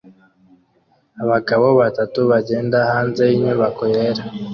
Abagabo batatu bagenda hanze yinyubako yera